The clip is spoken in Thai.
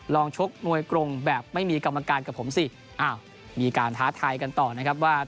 ชกมวยกรงแบบไม่มีกรรมการกับผมสิอ้าวมีการท้าทายกันต่อนะครับว่า